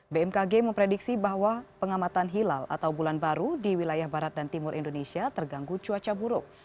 bmkg memprediksi bahwa pengamatan hilal atau bulan baru di wilayah barat dan timur indonesia terganggu cuaca buruk